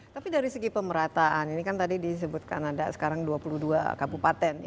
tapi dari segi pemerataan ini kan tadi disebutkan ada sekarang dua puluh dua kabupaten